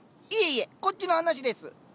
いえいえこっちの話です。